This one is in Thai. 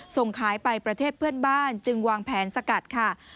ส่งขายไปประเทศเพื่อนบ้านจึงวางแผนสกัดค่ะ